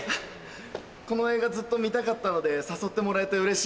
この映画ずっと見たかったので誘ってもらえてうれしいです。